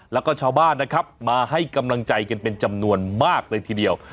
แล้วก็ชาวบ้านนะครับมาให้กำลังใจกันเป็นจำนวนมากเลยทีเดียว